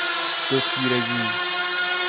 دوتیرگی